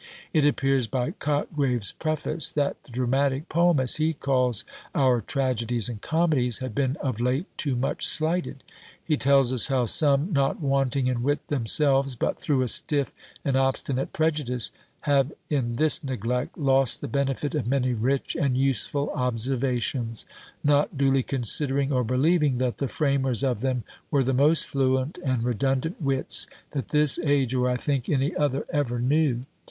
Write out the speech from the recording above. It appears by Cotgrave's preface, that "The Dramatick Poem," as he calls our tragedies and comedies, "had been of late too much slighted." He tells us how some, not wanting in wit themselves, but "through a stiff and obstinate prejudice, have, in this neglect, lost the benefit of many rich and useful observations; not duly considering, or believing, that the framers of them were the most fluent and redundant wits that this age, or I think any other, ever knew."